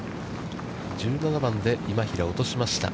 １７番で今平、落としました。